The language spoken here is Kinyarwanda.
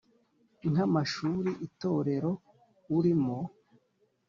Nk’amashuli, itorero urimo